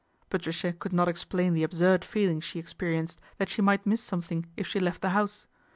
Patricia could not explain the absurd feeling she experienced that she might miss something if she left the house.